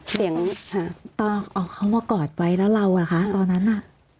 ต้องเอาเขามากอดไว้แล้วเราตอนนั้นล่ะ